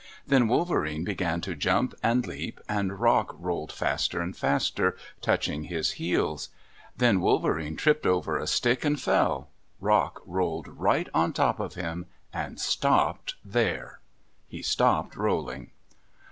Then Wolverene began to jump and leap and Rock rolled faster and faster, touching his heels. Then Wolverene tripped over a stick and fell. Rock rolled right on top of him and stopped there. He stopped rolling.